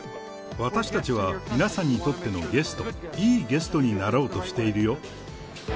私たちは皆さんにとってのゲスト、いいゲストになろうとしているよ。